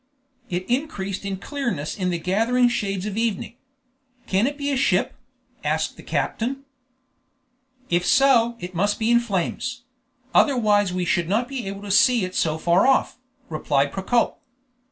It increased in clearness in the gathering shades of evening. "Can it be a ship?" asked the captain. "If so, it must be in flames; otherwise we should not be able to see it so far off," replied Procope.